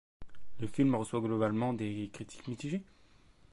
Le film reçoit globalement des critiques mitigées.